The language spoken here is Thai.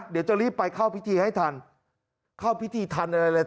เดี๋ยวจะรีบไปเข้าพิธีให้ทันเข้าพิธีทันอะไรเลย